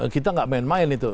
kita nggak main main itu